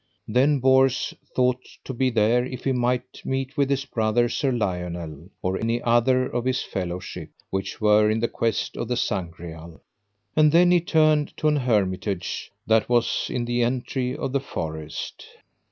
Then Bors thought to be there if he might meet with his brother Sir Lionel, or any other of his fellowship, which were in the quest of the Sangreal. And then he turned to an hermitage that was in the entry of the forest.